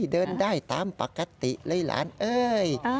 เดินได้ตามปกติเลยหลานเอ้ย